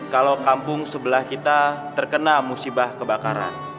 kalau kampung sebelah kita terkena musibah kebakaran